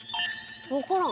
わからん。